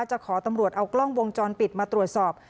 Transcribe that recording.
จะขอตำรวจเอากล้องวงจรปิดมาตรวจสอบ